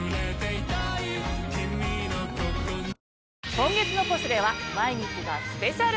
今月の『ポシュレ』は毎日がスペシャル！